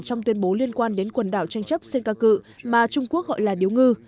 trong tuyên bố liên quan đến quần đảo tranh chấp senkaku mà trung quốc gọi là điếu ngư